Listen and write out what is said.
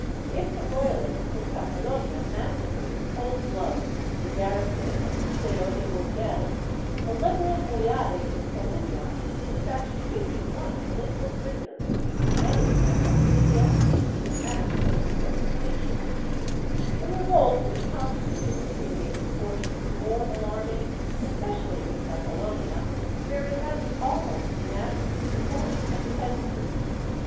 If the Royalists in Catalonia massacred in cold blood the garrison of the Seo de Urgel, a Liberal noyade in Coruha despatched fifty one political prisoners, many of them ecclesiastics and persons of distinction,^ The revolt was constantly assuming proportions more alarming, especially in Catalonia, where it had the almost unanimous support of the peasantry.